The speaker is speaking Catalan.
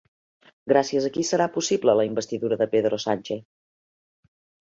Gràcies a qui serà possible la investidura de Pedro Sánchez?